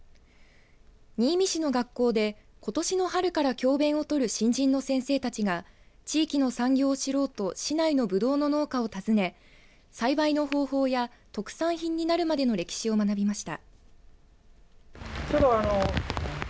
教べんをとる新人の先生たちが地域の産業を知ろうと市内のぶどうの農家を訪ね栽培の方法や特産品になるまでの歴史を学びました。